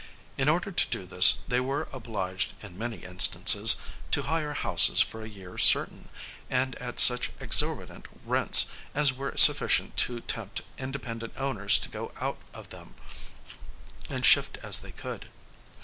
In order to do this, they were obliged, in many instances, to hire houses for a year certain, and at such exorbitant rents, as were sufficient to tempt independent owners to go out of them, and shift as they could.